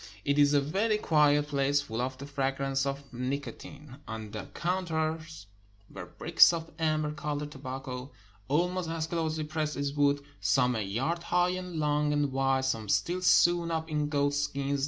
It is a very quiet place, full of the fragrance of nico tine. On the counters were bricks of amber colored tobacco, almost as closely pressed as wood — some a yard high and long and wide, some still sewn up in goat skins.